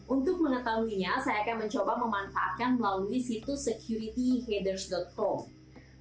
untuk mengetahuinya saya akan mencoba memanfaatkan melalui situs securityheaders com